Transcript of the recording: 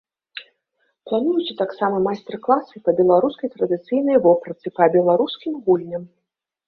Плануюцца таксама майстар-класы па беларускай традыцыйнай вопратцы, па беларускім гульням.